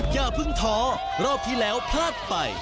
อย่าเพิ่งท้อรอบที่แล้วพลาดไป